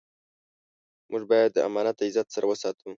موږ باید دا امانت د عزت سره وساتو.